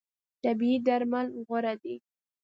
طبیعي درمل غوره دي.